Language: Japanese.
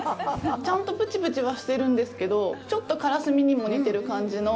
ちゃんとプチプチはしてるんですけど、ちょっとカラスミにも似てる感じの。